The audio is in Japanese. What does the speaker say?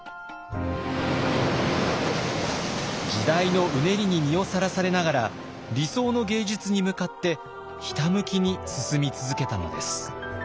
時代のうねりに身をさらされながら理想の芸術に向かってひたむきに進み続けたのです。